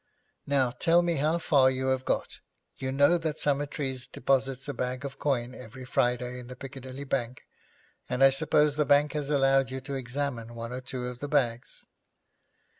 'Now tell me how far you have got. You know that Summertrees deposits a bag of coin every Friday in the Piccadilly bank, and I suppose the bank has allowed you to examine one or two of the bags.'